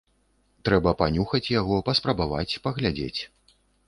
Трэба панюхаць яго, паспрабаваць, паглядзець.